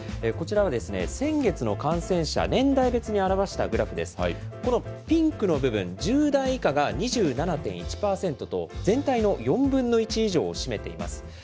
こちらは先月の感染者、年代別に表したグラフですが、このピンクの部分、１０代以下が２７．１％と、全体の４分の１以上を占めています。